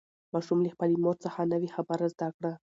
ماشوم له خپلې مور څخه نوې خبره زده کړه